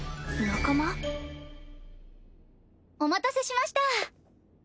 お待たせしました。